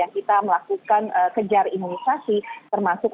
kita melakukan kejar imunisasi termasuk